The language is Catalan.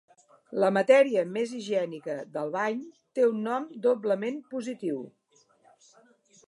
La matèria més higiènica del bany té un nom doblement positiu.